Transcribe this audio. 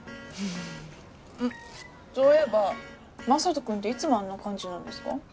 そういえば雅人君っていつもあんな感じなんですか？